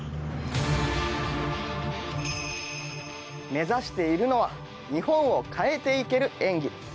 目指しているのは日本を変えていける演技。